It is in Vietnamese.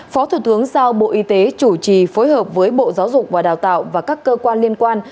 phó thủ tướng giao bộ y tế chủ trì phối hợp với bộ giáo dục và đào tạo và các cơ quan liên quan